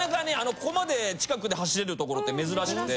ここまで近くで走れる所って珍しくて。